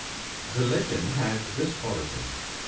The legend had this origin.